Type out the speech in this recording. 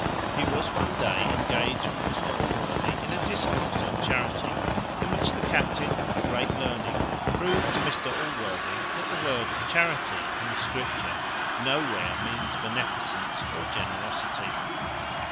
He was one day engaged with Mr Allworthy in a discourse on charity: in which the captain, with great learning, proved to Mr Allworthy, that the word charity in Scripture nowhere means beneficence or generosity.